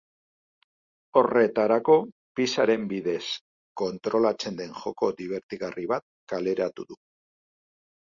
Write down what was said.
Horretarako, pixaren bidez kontrolatzen den joko dibertigarri bat kaleratu du.